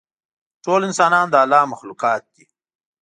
ټول انسانان د الله مخلوقات دي.